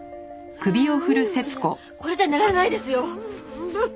いやいやこれじゃあ寝られないですよ。